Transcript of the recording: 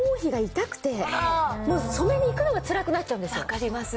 分かります。